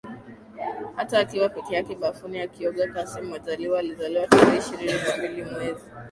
hata akiwa peke yake bafuni akiogaKassim Majaliwa alizaliwa tarehe ishirini na mbili mwezi